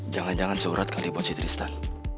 jangan jangan surat kali buat si tristan